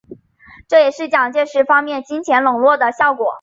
这也是蒋介石方面金钱拢络的效果。